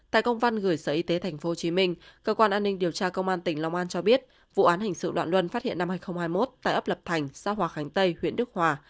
tại công văn gửi sở y tế tp hcm cơ quan an ninh điều tra công an tỉnh long an cho biết vụ án hình sự đoạn luân phát hiện năm hai nghìn hai mươi một tại ấp lập thành xã hòa khánh tây huyện đức hòa